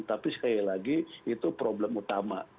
tapi sekali lagi itu problem utama